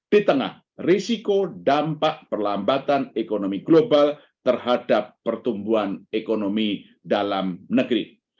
di tengah risiko dampak perlambatan ekonomi global terhadap pertumbuhan ekonomi dalam negeri